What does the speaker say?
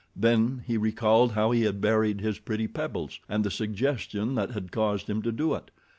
Then he recalled how he had buried his pretty pebbles, and the suggestion that had caused him to do it.